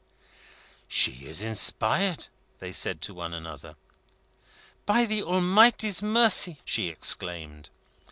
"She is inspired," they said to one another. "By the Almighty's mercy!" she exclaimed.